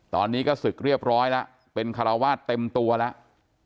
ตอนนี้ก็ศึกเรียบร้อยแล้วเป็นคาราวาสเต็มตัวแล้ว